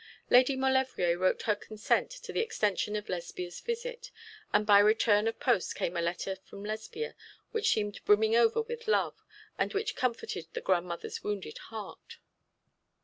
Lady Maulevrier wrote her consent to the extension of Lesbia's visit, and by return of post came a letter from Lesbia which seemed brimming over with love, and which comforted the grandmother's wounded heart.